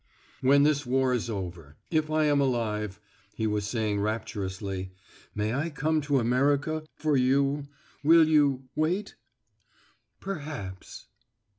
"When this war is over, if I am alive," he was saying rapturously, "may I come to America for you? Will you wait?" "Perhaps."